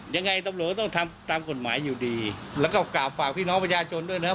ยังไงตำรวจก็ต้องทำตามกฎหมายอยู่ดีแล้วก็ฝากพี่น้องประชาชนด้วยนะครับ